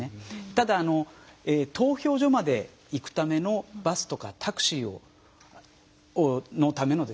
ただ投票所まで行くためのバスとかタクシーのためのですね